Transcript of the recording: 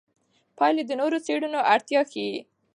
پایلې د نورو څېړنو اړتیا ښيي.